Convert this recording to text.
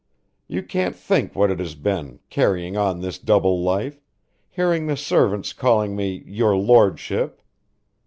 You can't think what it has been, carrying on this double life, hearing the servants calling me 'your lordship.'